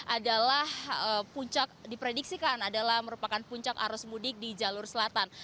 adalah puncak diprediksikan adalah merupakan puncak arus mudik di jalur selatan